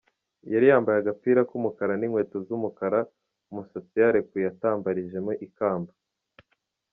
Yari yambaye agapira ku mukara n'inkweto z'umukara, umusatsi yarekuye utambarijemo ikamba.